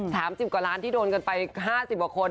๓๐กว่าล้านที่โดนกันไป๕๐กว่าคน